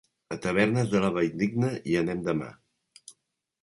A Tavernes de la Valldigna hi anem demà.